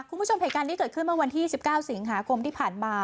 คุณผู้ชมเหตุการณ์นี้เกิดขึ้นเมื่อวันที่๑๙สิงหาคมที่ผ่านมา